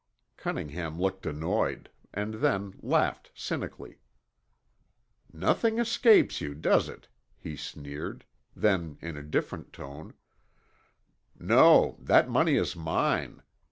Cunningham looked annoyed, and then laughed cynically. "Nothing escapes you, does it?" he sneered, then in a different tone, "No, that money is mine.